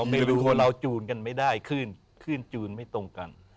ไม่รู้เราจูงกันไม่ได้ขึ้นจูงไม่ตรงกัน